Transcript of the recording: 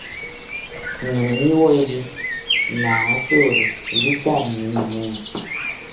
Nnyịn imiwuọ idi mbaak otodo idisaad nneme ineme.